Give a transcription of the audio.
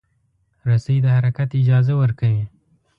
رسۍ د حرکت اجازه ورکوي.